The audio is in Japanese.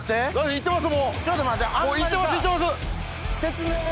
行ってます！